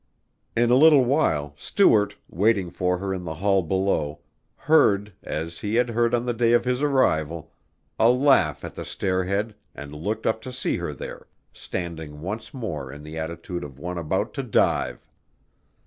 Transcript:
In a little while Stuart, waiting for her in the hall below, heard, as he had heard on the day of his arrival, a laugh at the stairhead and looked up to see her there, standing once more in the attitude of one about to dive.